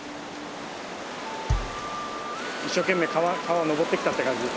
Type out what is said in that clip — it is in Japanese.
一生懸命川を上ってきたって感じです。